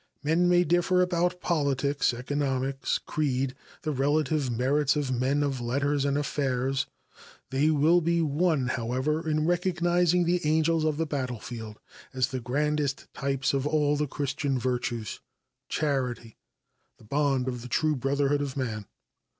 Men may differ about politics, economics, creed, the relative merits of men of letters and affairs; they will be one, however, in recognizing the "Angels of the Battlefield" as the grandest types of all the Christian virtues charity the bond of the true brotherhood of man.